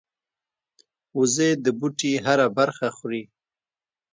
وزې د بوټي هره برخه خوري